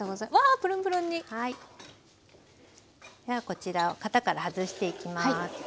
こちらを型から外していきます。